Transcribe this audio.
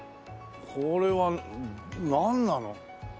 これはなんなの？